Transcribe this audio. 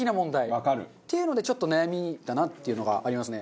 わかる。っていうのでちょっと悩みだなっていうのがありますね。